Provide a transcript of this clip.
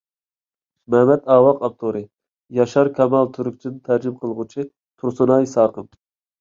مەمەت ئاۋاق ئاپتورى: ياشار كامال تۈركچىدىن تەرجىمە قىلغۇچى: تۇرسۇنئاي ساقىم